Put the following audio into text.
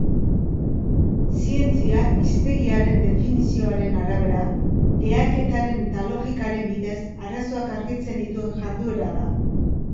Zientzia, hiztegiaren definizioaren arabera, behaketaren eta logikaren bidez arazoak argitzen dituen jarduera da.